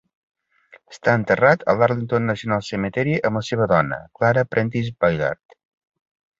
Està enterrat al Arlington National Cemetery amb la seva dona, Clara Prentis Billard.